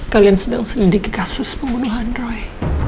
kalian sedang selidiki kasus pembunuhan roy